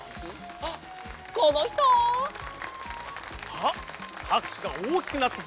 あっこのひと！あっはくしゅがおおきくなったぞ！